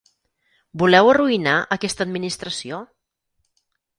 Voleu arruïnar aquesta administració?